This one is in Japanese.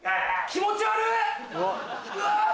気持ち悪っ！